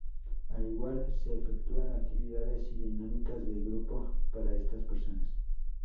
Al igual se efectúan actividades y dinámicas de grupo para estas personas.